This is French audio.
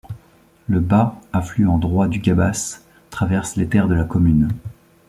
Le Bas, affluent droit du Gabas, traverse les terres de la commune.